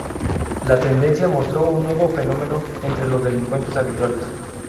La tendencia mostró un nuevo fenómeno entre los delincuentes habituales.